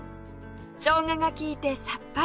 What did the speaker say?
しょうがが利いてさっぱり！